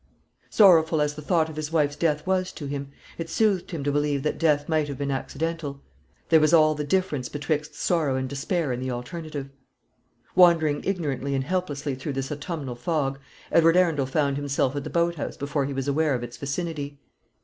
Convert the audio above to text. Sorrowful as the thought of his wife's death was to him, it soothed him to believe that death might have been accidental. There was all the difference betwixt sorrow and despair in the alternative. Wandering ignorantly and helplessly through this autumnal fog, Edward Arundel found himself at the boat house before he was aware of its vicinity.